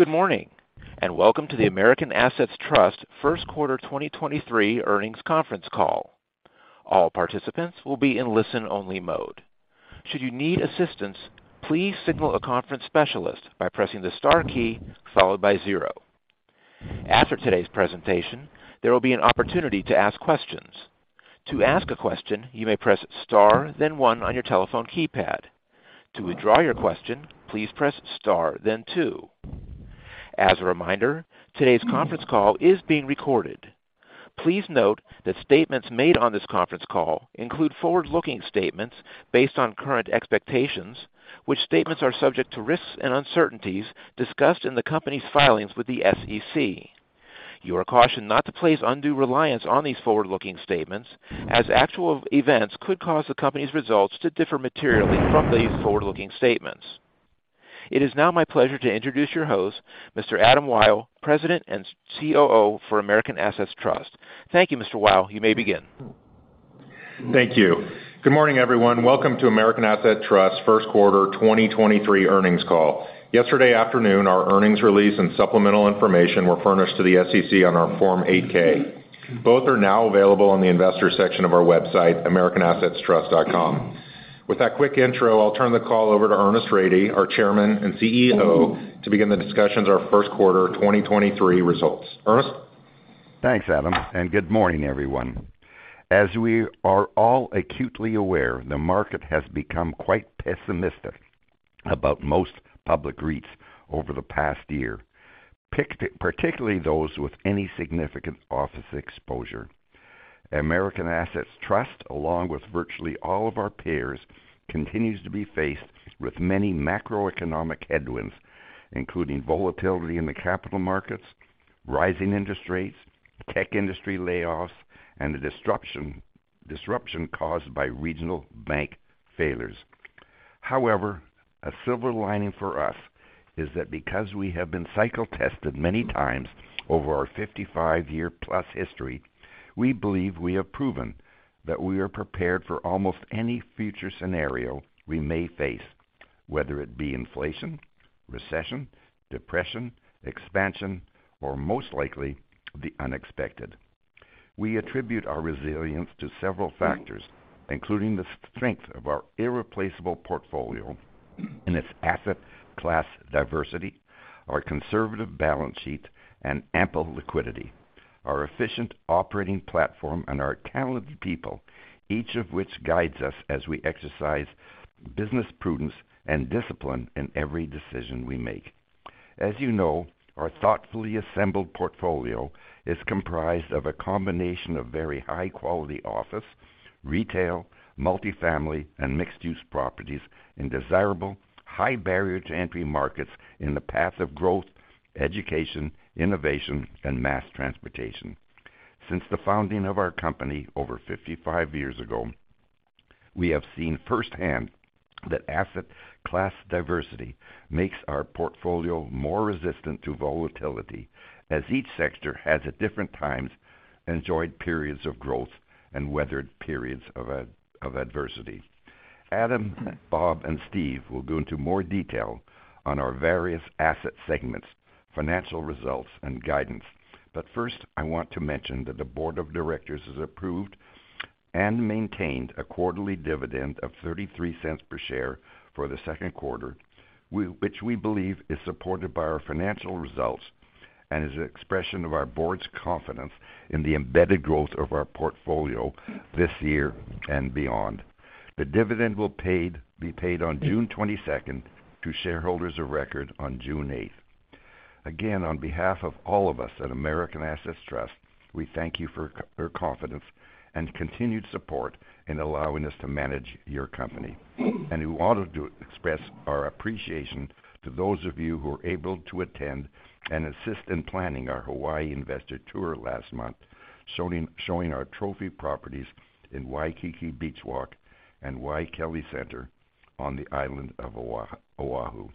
Good morning. Welcome to the American Assets Trust first quarter 2023 earnings conference call. All participants will be in listen-only mode. Should you need assistance, please signal a conference specialist by pressing the star key followed by 0. After today's presentation, there will be an opportunity to ask questions. To ask a question, you may press star then 1 on your telephone keypad. To withdraw your question, please press star then 2. As a reminder, today's conference call is being recorded. Please note that statements made on this conference call include forward-looking statements based on current expectations, which statements are subject to risks and uncertainties discussed in the company's filings with the SEC. You are cautioned not to place undue reliance on these forward-looking statements, as actual events could cause the company's results to differ materially from these forward-looking statements. It is now my pleasure to introduce your host, Mr. Adam Wyll, President and COO for American Assets Trust. Thank you, Mr. Wyll. You may begin. Thank you. Good morning, everyone. Welcome to American Assets Trust first quarter 2023 earnings call. Yesterday afternoon, our earnings release and supplemental information were furnished to the SEC on our Form 8-K. Both are now available on the investor section of our website, americanassetstrust.com. With that quick intro, I'll turn the call over to Ernest Rady, our Chairman and CEO, to begin the discussions our first quarter 2023 results. Ernest? Thanks, Adam. Good morning, everyone. As we are all acutely aware, the market has become quite pessimistic about most public REITs over the past year, particularly those with any significant office exposure. American Assets Trust, along with virtually all of our peers, continues to be faced with many macroeconomic headwinds, including volatility in the capital markets, rising interest rates, tech industry layoffs, and the disruption caused by regional bank failures. However, a silver lining for us is that because we have been cycle tested many times over our 55-year-plus history, we believe we have proven that we are prepared for almost any future scenario we may face, whether it be inflation, recession, depression, expansion, or most likely, the unexpected. We attribute our resilience to several factors, including the strength of our irreplaceable portfolio and its asset class diversity, our conservative balance sheet and ample liquidity, our efficient operating platform and our talented people, each of which guides us as we exercise business prudence and discipline in every decision we make. As you know, our thoughtfully assembled portfolio is comprised of a combination of very high-quality office, retail, multifamily, and mixed-use properties in desirable, high barrier to entry markets in the path of growth, education, innovation, and mass transportation. Since the founding of our company over 55 years ago, we have seen firsthand that asset class diversity makes our portfolio more resistant to volatility as each sector has at different times enjoyed periods of growth and weathered periods of adversity. Adam, Bob, and Steve will go into more detail on our various asset segments, financial results, and guidance. First, I want to mention that the board of directors has approved and maintained a quarterly dividend of $0.33 per share for the second quarter, which we believe is supported by our financial results and is an expression of our board's confidence in the embedded growth of our portfolio this year and beyond. The dividend will be paid on June 22nd to shareholders of record on June 8th. Again, on behalf of all of us at American Assets Trust, we thank you for confidence and continued support in allowing us to manage your company. We want to do express our appreciation to those of you who were able to attend and assist in planning our Hawaii investor tour last month, showing our trophy properties in Waikiki Beach Walk and Waikele Center on the island of Oahu.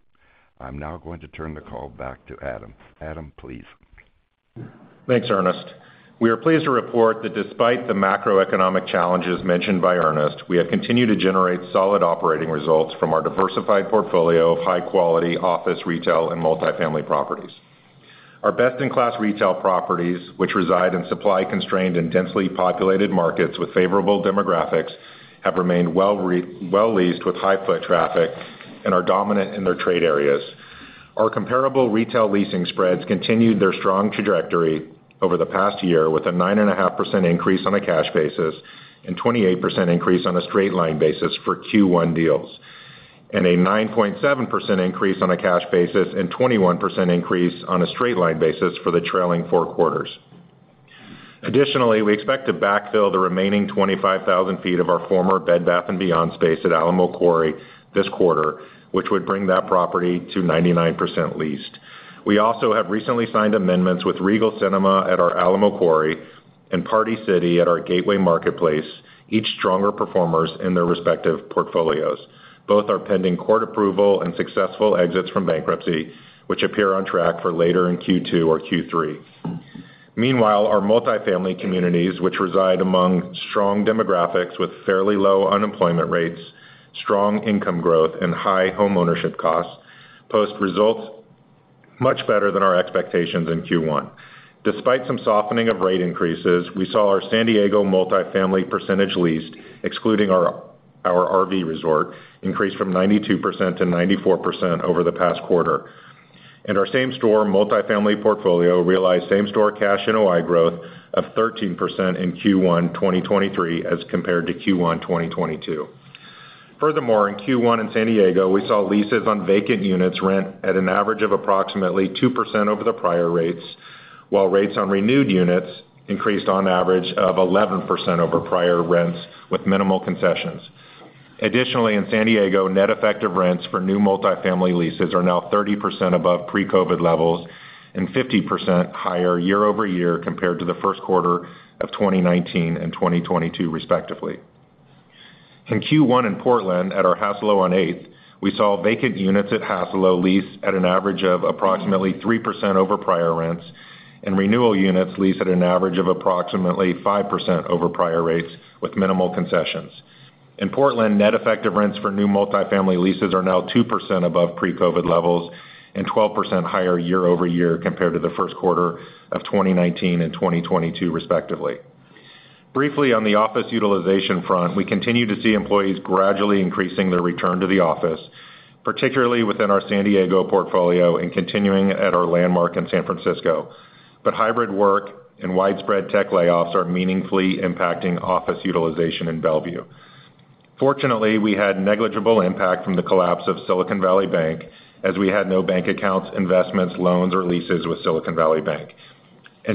I'm now going to turn the call back to Adam. Adam, please. Thanks, Ernest. We are pleased to report that despite the macroeconomic challenges mentioned by Ernest, we have continued to generate solid operating results from our diversified portfolio of high-quality office, retail, and multifamily properties. Our best-in-class retail properties, which reside in supply-constrained and densely populated markets with favorable demographics, have remained well leased with high foot traffic and are dominant in their trade areas. Our comparable retail leasing spreads continued their strong trajectory over the past year with a 9.5% increase on a cash basis and 28% increase on a straight line basis for Q1 deals, and a 9.7% increase on a cash basis and 21% increase on a straight line basis for the trailing 4 quarters. We expect to backfill the remaining 25,000 feet of our former Bed Bath & Beyond space at Alamo Quarry this quarter, which would bring that property to 99% leased. We also have recently signed amendments with Regal Cinemas at our Alamo Quarry and Party City at our Gateway Marketplace, each stronger performers in their respective portfolios. Both are pending court approval and successful exits from bankruptcy, which appear on track for later in Q2 or Q3. Our multifamily communities, which reside among strong demographics with fairly low unemployment rates, strong income growth, and high homeownership costs, post results much better than our expectations in Q1. Despite some softening of rate increases, we saw our San Diego multifamily percentage leased, excluding our RV resort, increase from 92% to 94% over the past quarter. Our same-store multifamily portfolio realized same-store cash NOI growth of 13% in Q1 2023 as compared to Q1 2022. Furthermore, in Q1 in San Diego, we saw leases on vacant units rent at an average of approximately 2% over the prior rates, while rates on renewed units increased on average of 11% over prior rents with minimal concessions. Additionally, in San Diego, net effective rents for new multifamily leases are now 30% above pre-COVID levels and 50% higher year-over-year compared to the first quarter of 2019 and 2022, respectively. In Q1 in Portland at our Hassalo on Eighth, we saw vacant units at Hassalo lease at an average of approximately 3% over prior rents, and renewal units lease at an average of approximately 5% over prior rates with minimal concessions. In Portland, net effective rents for new multifamily leases are now 2% above pre-COVID levels and 12% higher year-over-year compared to the first quarter of 2019 and 2022, respectively. Briefly, on the office utilization front, we continue to see employees gradually increasing their return to the office, particularly within our San Diego portfolio and continuing at our Landmark in San Francisco. Hybrid work and widespread tech layoffs are meaningfully impacting office utilization in Bellevue. Fortunately, we had negligible impact from the collapse of Silicon Valley Bank, as we had no bank accounts, investments, loans, or leases with Silicon Valley Bank.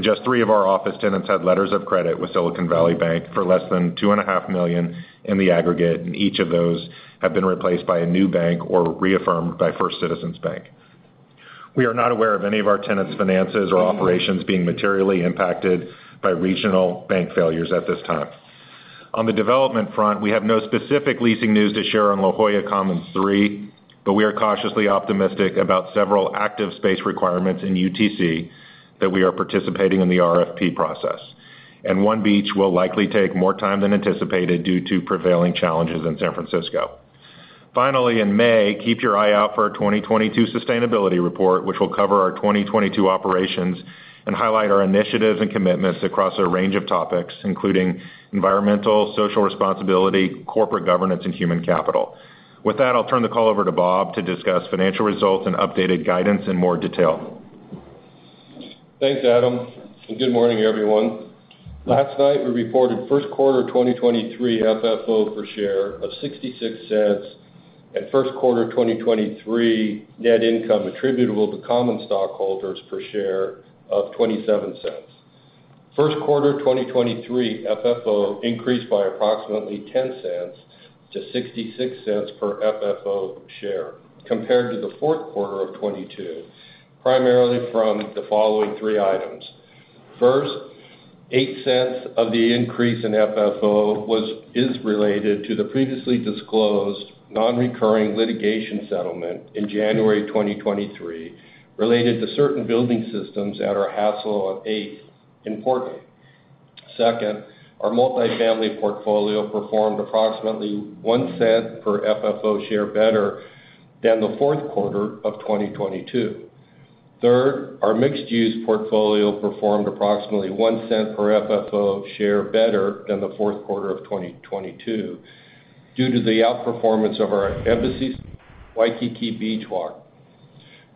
Just three of our office tenants had letters of credit with Silicon Valley Bank for less than $2.5 million in the aggregate, and each of those have been replaced by a new bank or reaffirmed by First Citizens Bank. We are not aware of any of our tenants' finances or operations being materially impacted by regional bank failures at this time. The development front, we have no specific leasing news to share on La Jolla Commons three, but we are cautiously optimistic about several active space requirements in UTC that we are participating in the RFP process. One Beach will likely take more time than anticipated due to prevailing challenges in San Francisco. Finally, in May, keep your eye out for our 2022 sustainability report, which will cover our 2022 operations and highlight our initiatives and commitments across a range of topics, including environmental, social responsibility, corporate governance, and human capital. With that, I'll turn the call over to Bob to discuss financial results and updated guidance in more detail. Thanks, Adam. Good morning, everyone. Last night, we reported first quarter 2023 FFO per share of $0.66 and first quarter 2023 net income attributable to common stockholders per share of $0.27. First quarter 2023 FFO increased by approximately $0.10 to $0.66 per FFO share compared to the fourth quarter of 2022, primarily from the following three items. First, $0.08 of the increase in FFO is related to the previously disclosed non-recurring litigation settlement in January 2023 related to certain building systems at our Hassalo on Eighth in Portland. Second, our multifamily portfolio performed approximately $0.01 per FFO share better than the fourth quarter of 2022. Third, our mixed-use portfolio performed approximately $0.01 per FFO share better than the fourth quarter of 2022 due to the outperformance of our Embassy Suites Waikiki Beach Walk.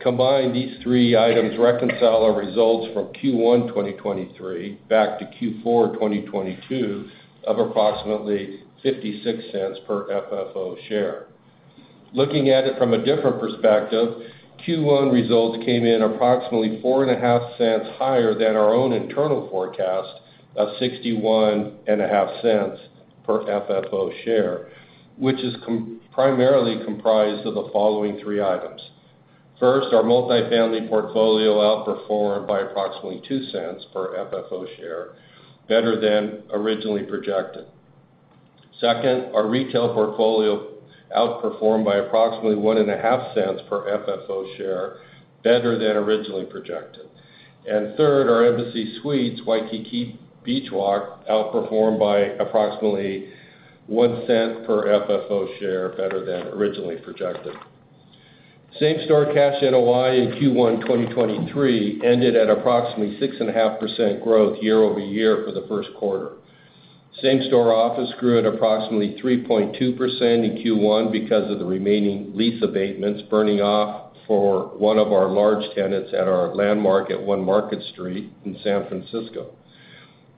Combined, these three items reconcile our results from Q1 2023 back to Q4 2022 of approximately $0.56 per FFO share. Looking at it from a different perspective, Q1 results came in approximately $0.045 higher than our own internal forecast of $0.615 per FFO share, which is primarily comprised of the following three items. First, our multifamily portfolio outperformed by approximately $0.02 per FFO share better than originally projected. Second, our retail portfolio outperformed by approximately $0.015 per FFO share better than originally projected. Third, our Embassy Suites Waikiki Beach Walk outperformed by approximately $0.01 per FFO share better than originally projected. Same-store cash NOI in Q1 2023 ended at approximately 6.5% growth year-over-year for the first quarter. Same-store office grew at approximately 3.2% in Q1 because of the remaining lease abatements burning off for one of our large tenants at our Landmark at One Market Street in San Francisco.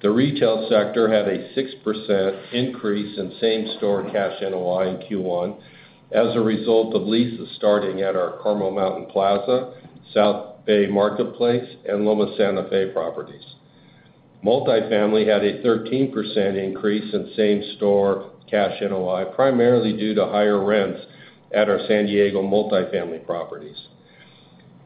The retail sector had a 6% increase in same-store cash NOI in Q1 as a result of leases starting at our Carmel Mountain Plaza, South Bay Marketplace, and Loma Santa Fe properties. Multifamily had a 13% increase in same-store cash NOI, primarily due to higher rents at our San Diego multifamily properties.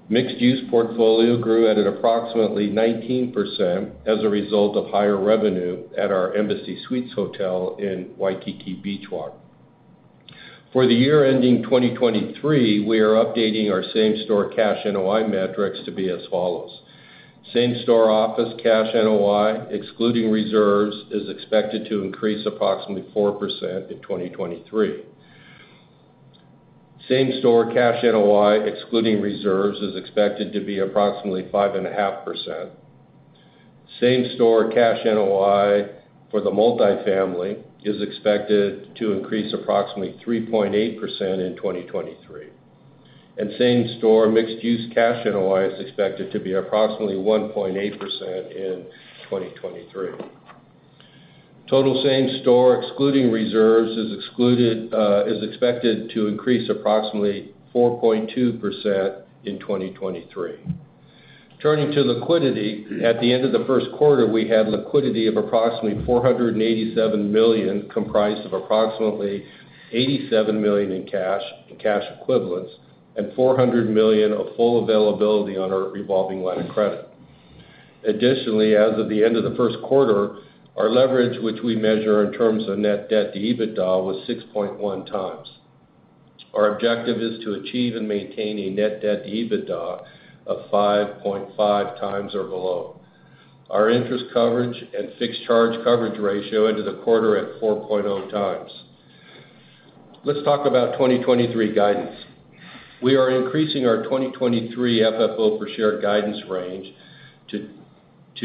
Mixed-use portfolio grew at an approximately 19% as a result of higher revenue at our Embassy Suites hotel in Waikiki Beach Walk. For the year ending 2023, we are updating our same-store cash NOI metrics to be as follows. Same-store office cash NOI, excluding reserves, is expected to increase approximately 4% in 2023. Same-store cash NOI, excluding reserves, is expected to be approximately 5.5%. Same-store cash NOI for the multifamily is expected to increase approximately 3.8% in 2023. Same-store mixed-use cash NOI is expected to be approximately 1.8% in 2023. Total same store, excluding reserves, is expected to increase approximately 4.2% in 2023. Turning to liquidity, at the end of the first quarter, we had liquidity of approximately $487 million, comprised of approximately $87 million in cash and cash equivalents, and $400 million of full availability on our revolving line of credit. Additionally, as of the end of the first quarter, our leverage, which we measure in terms of net debt to EBITDA, was 6.1 times. Our objective is to achieve and maintain a net debt to EBITDA of 5.5x or below. Our interest coverage and fixed charge coverage ratio ended the quarter at 4.0x. Let's talk about 2023 guidance. We are increasing our 2023 FFO per share guidance range to $2.23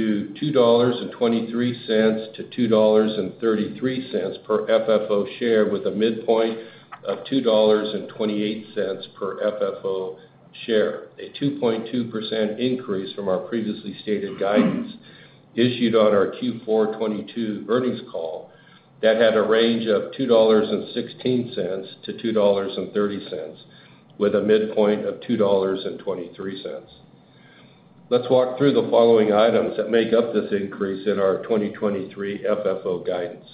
to $2.33 per FFO share, with a midpoint of $2.28 per FFO share, a 2.2% increase from our previously stated guidance issued on our Q4 2022 earnings call that had a range of $2.16 to $2.30, with a midpoint of $2.23. Let's walk through the following items that make up this increase in our 2023 FFO guidance.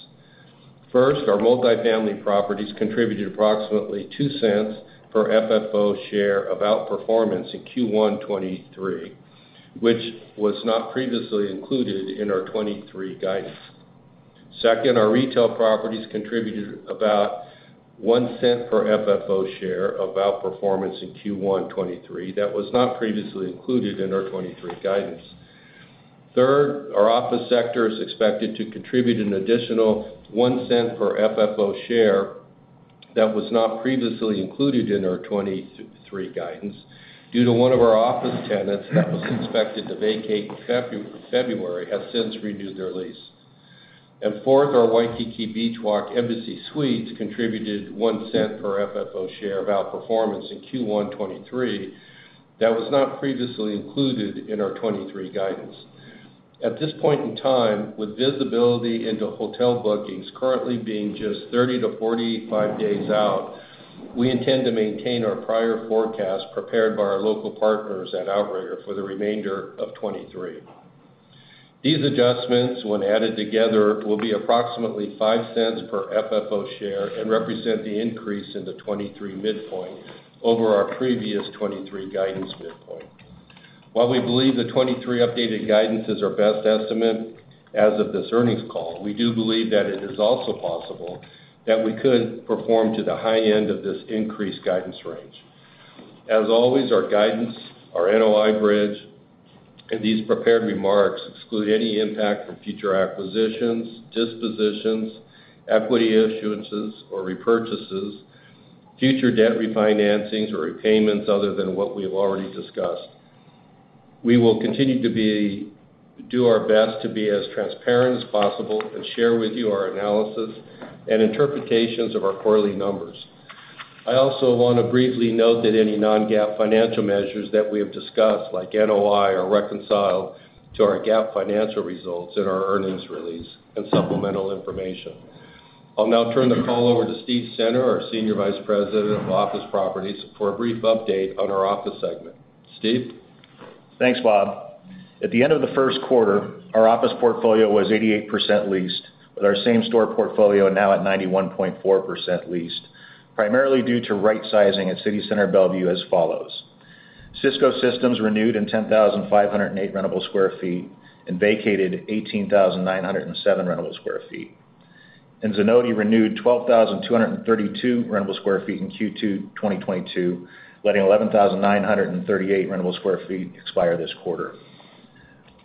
First, our multifamily properties contributed approximately $0.02 per FFO share of outperformance in Q1 2023, which was not previously included in our 2023 guidance. Second, our retail properties contributed about $0.01 per FFO share of outperformance in Q1 2023 that was not previously included in our 2023 guidance. Third, our office sector is expected to contribute an additional $0.01 per FFO share that was not previously included in our 2023 guidance due to one of our office tenants that was expected to vacate in February, have since renewed their lease. Fourth, our Waikiki Beach Walk Embassy Suites contributed $0.01 per FFO share of outperformance in Q1 2023 that was not previously included in our 2023 guidance. At this point in time, with visibility into hotel bookings currently being just 30 to 45 days out, we intend to maintain our prior forecast prepared by our local partners at Outrigger for the remainder of 2023. These adjustments, when added together, will be approximately $0.05 per FFO share and represent the increase in the 2023 midpoint over our previous 2023 guidance midpoint. While we believe the 2023 updated guidance is our best estimate as of this earnings call, we do believe that it is also possible that we could perform to the high end of this increased guidance range. As always, our guidance, our NOI bridge, and these prepared remarks exclude any impact from future acquisitions, dispositions, equity issuances or repurchases, future debt refinancings or repayments other than what we've already discussed. We will continue to do our best to be as transparent as possible and share with you our analysis and interpretations of our quarterly numbers. Also, I want to briefly note that any non-GAAP financial measures that we have discussed, like NOI, are reconciled to our GAAP financial results in our earnings release and supplemental information. I'll now turn the call over to Steve Center, our Senior Vice President of Office Properties, for a brief update on our office segment. Steve? Thanks, Bob. At the end of the first quarter, our office portfolio was 88% leased, with our same-store portfolio now at 91.4% leased, primarily due to rightsizing at City Center Bellevue as follows: Cisco Systems renewed in 10,508 rentable sq ft and vacated 18,907 rentable sq ft. Zenoti renewed 12,232 rentable square feet in Q2 2022, letting 11,938 rentable sq ft expire this quarter.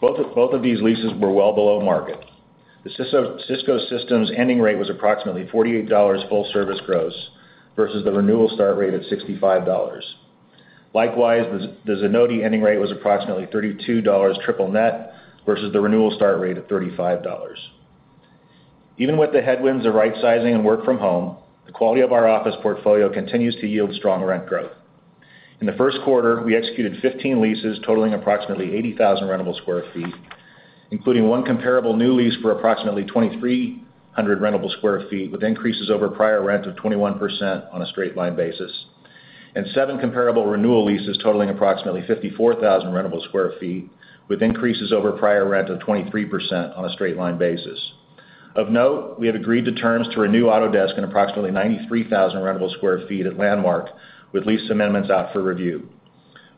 Both of these leases were well below market. The Cisco Systems ending rate was approximately $48 full service gross versus the renewal start rate of $65. Likewise, the Zenoti ending rate was approximately $32 triple net versus the renewal start rate of $35. Even with the headwinds of rightsizing and work from home, the quality of our office portfolio continues to yield strong rent growth. In the first quarter, we executed 15 leases totaling approximately 80,000 rentable square feet, including one comparable new lease for approximately 2,300 rentable square feet, with increases over prior rent of 21% on a straight line basis, and 7 comparable renewal leases totaling approximately 54,000 rentable square feet, with increases over prior rent of 23% on a straight line basis. Of note, we have agreed to terms to renew Autodesk in approximately 93,000 rentable square feet at Landmark, with lease amendments out for review.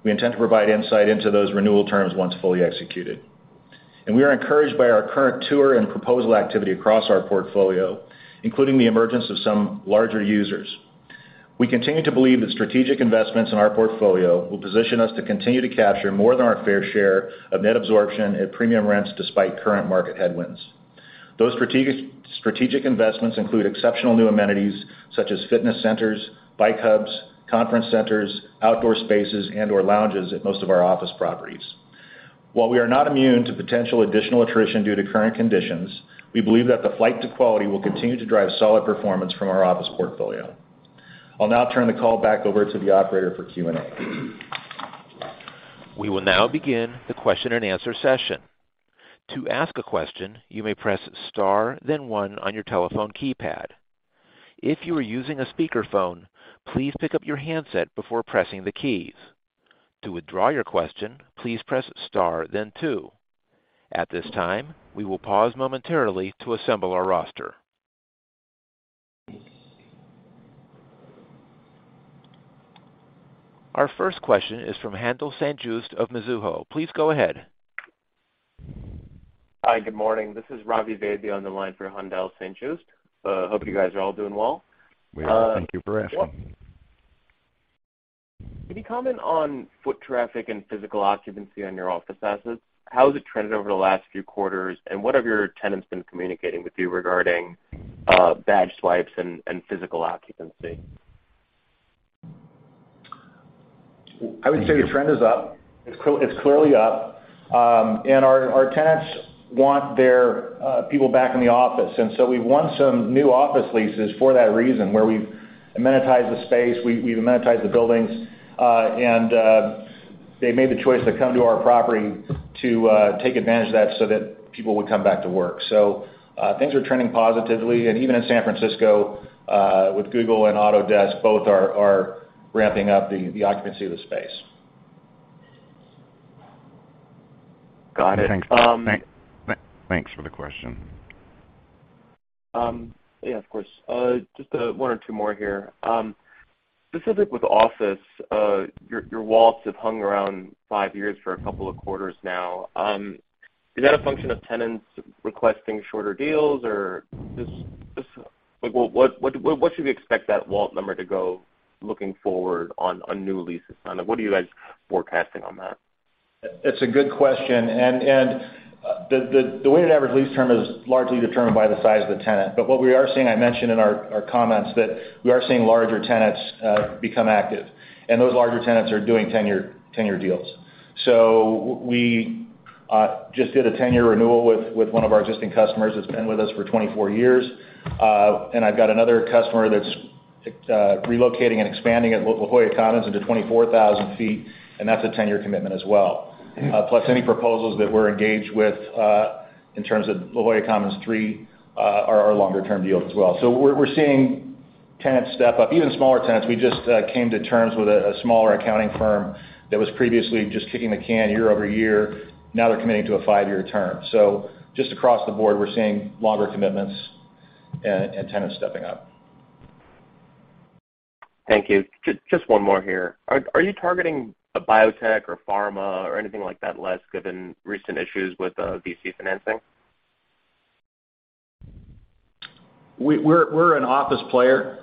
We intend to provide insight into those renewal terms once fully executed. We are encouraged by our current tour and proposal activity across our portfolio, including the emergence of some larger users. We continue to believe that strategic investments in our portfolio will position us to continue to capture more than our fair share of net absorption at premium rents despite current market headwinds. Those strategic investments include exceptional new amenities such as fitness centers, bike hubs, conference centers, outdoor spaces, and/or lounges at most of our office properties. While we are not immune to potential additional attrition due to current conditions, we believe that the flight to quality will continue to drive solid performance from our office portfolio. I'll now turn the call back over to the operator for Q&A. We will now begin the question-and-answer session. To ask a question, you may press star then 1 on your telephone keypad. If you are using a speakerphone, please pick up your handset before pressing the keys. To withdraw your question, please press star then 2. At this time, we will pause momentarily to assemble our roster. Our first question is from Haendel St. Juste of Mizuho. Please go ahead. Hi. Good morning. This is Ravi Vaidya on the line for Haendel St. Juste. Hope you guys are all doing well. We are. Thank you for asking. Can you comment on foot traffic and physical occupancy on your office assets? How has it trended over the last few quarters, and what have your tenants been communicating with you regarding badge swipes and physical occupancy? I would say the trend is up. It's clearly up. Our tenants want their people back in the office. We've won some new office leases for that reason, where we've amenitized the space, we've amenitized the buildings. They made the choice to come to our property to take advantage of that so that people would come back to work. Things are trending positively. Even in San Francisco, with Google and Autodesk, both are ramping up the occupancy of the space. Got it. Thanks. Thanks for the question. Yeah, of course. Just 1 or 2 more here. Specific with office, your WALT have hung around 5 years for a couple of quarters now. Is that a function of tenants requesting shorter deals or just like what should we expect that WALT number to go looking forward on new leases? Kinda what are you guys forecasting on that? It's a good question. The weighted average lease term is largely determined by the size of the tenant. What we are seeing, I mentioned in our comments, that we are seeing larger tenants become active, and those larger tenants are doing 10-year deals. We just did a 10-year renewal with one of our existing customers that's been with us for 24 years. I've got another customer that's relocating and expanding at La Jolla Commons into 24,000 sq ft, and that's a 10-year commitment as well. Plus any proposals that we're engaged with in terms of La Jolla Commons 3 are longer term deals as well. We're seeing tenants step up, even smaller tenants. We just came to terms with a smaller accounting firm that was previously just kicking the can year over year. Now they're committing to a five-year term. Just across the board, we're seeing longer commitments and tenants stepping up. Thank you. Just one more here. Are you targeting a biotech or pharma or anything like that less given recent issues with VC financing? We're an office player.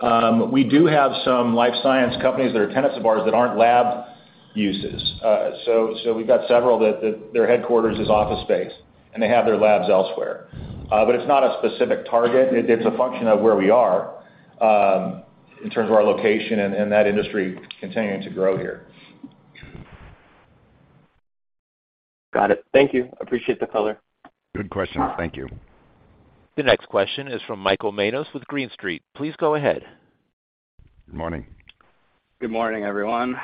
We do have some life science companies that are tenants of ours that aren't lab uses. We've got several that their headquarters is office space, and they have their labs elsewhere. It's not a specific target. It's a function of where we are in terms of our location and that industry continuing to grow here. Got it. Thank you. Appreciate the color. Good question. Thank you. The next question is from Michael Manos with Green Street. Please go ahead. Good morning. Good morning, everyone.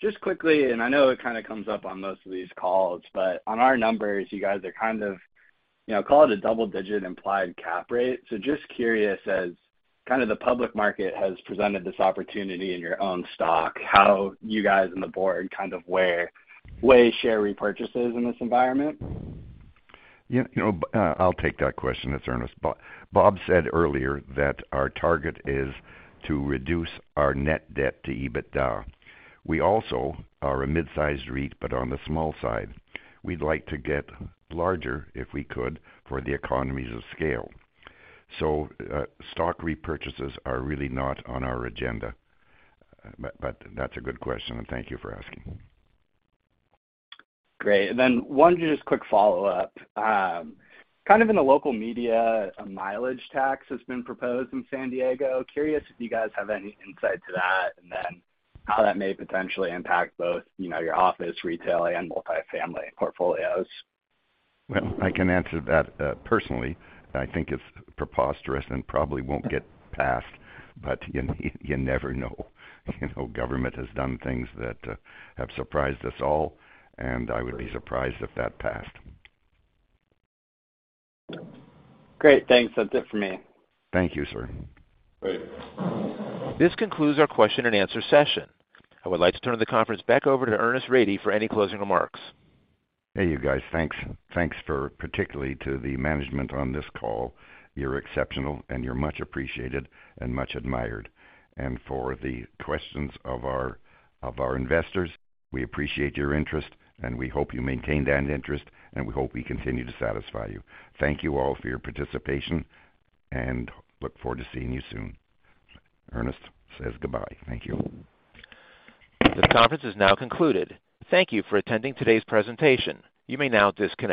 Just quickly, and I know it kinda comes up on most of these calls, but on our numbers, you guys are kind of, you know, call it a double-digit implied cap rate. Just curious, as kind of the public market has presented this opportunity in your own stock, how you guys in the board kind of weigh share repurchases in this environment? You know, I'll take that question. It's Ernest Rady. Bob said earlier that our target is to reduce our net debt to EBITDA. We also are a mid-sized REIT, but on the small side. We'd like to get larger, if we could, for the economies of scale. Stock repurchases are really not on our agenda. That's a good question, and thank you for asking. Great. One just quick follow-up. Kind of in the local media, a mileage tax has been proposed in San Diego. Curious if you guys have any insight to that, and then how that may potentially impact both, you know, your office, retail, and multi-family portfolios. Well, I can answer that. Personally, I think it's preposterous and probably won't get passed. You never know. You know, government has done things that have surprised us all. I would be surprised if that passed. Great. Thanks. That's it for me. Thank you, sir. Great. This concludes our question and answer session. I would like to turn the conference back over to Ernest Rady for any closing remarks. Hey, you guys. Thanks. Thanks for particularly to the management on this call. You're exceptional, and you're much appreciated and much admired. For the questions of our investors, we appreciate your interest, and we hope you maintain that interest, and we hope we continue to satisfy you. Thank you all for your participation and look forward to seeing you soon. Ernest says goodbye. Thank you. This conference is now concluded. Thank you for attending today's presentation. You may now disconnect.